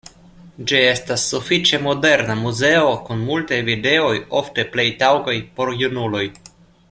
Ĝi estas sufiĉe moderna muzeo, kun multaj videoj, ofte plej taŭgaj por junuloj.